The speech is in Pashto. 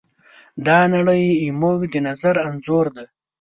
دا نړۍ زموږ د نظر انځور دی.